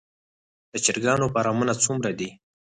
د چرګانو فارمونه څومره دي؟